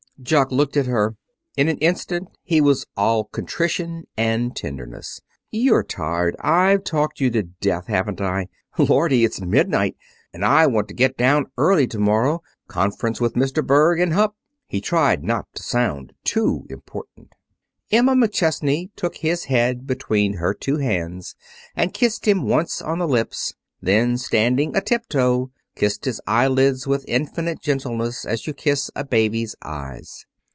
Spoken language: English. Jock looked at her. In an instant he was all contrition and tenderness. "You're tired. I've talked you to death, haven't I? Lordy, it's midnight! And I want to get down early to morrow. Conference with Mr. Berg, and Hupp." He tried not to sound too important. Emma McChesney took his head between her two hands and kissed him once on the lips, then, standing a tiptoe, kissed his eyelids with infinite gentleness as you kiss a baby's eyes.